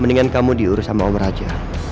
mendingan kamu diurus sama om raja